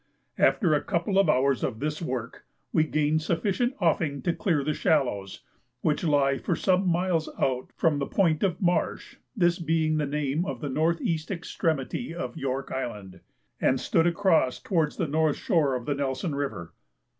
After a couple hours of this work we gained sufficient offing to clear the shallows, which lie for some miles out from the point of Marsh, (this being the name of the N.E. extremity of York Island), and stood across towards the north shore of the Nelson River.